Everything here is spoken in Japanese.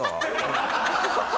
ハハハハ！